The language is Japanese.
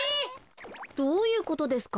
どういうことですか？